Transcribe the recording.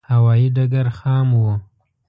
هوایې ډګر خام و.